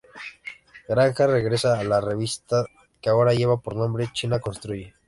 Granda regresa a la revista que ahora lleva por nombre "China Construye".